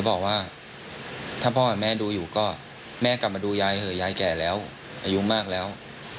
บอกว่าถ้าพ่อกับแม่ดูอยู่ก็แม่กลับมาดูยายเถอะยายแก่แล้วอายุมากแล้ว